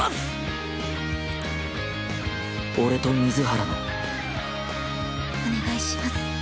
カチッ俺と水原のお願いします。